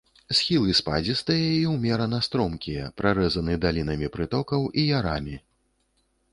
Схілы спадзістыя і ўмерана стромкія, парэзаныя далінамі прытокаў і ярамі.